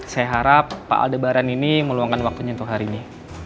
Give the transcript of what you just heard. saya harap pak al debaran ini meluangkan waktunya untuk hari ini